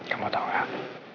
kamu tau gak